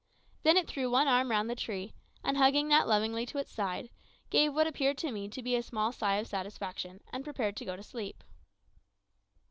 Then it threw one arm round the tree, and hugging that lovingly to its side, gave what appeared to me to be a small sigh of satisfaction, and prepared to go to sleep.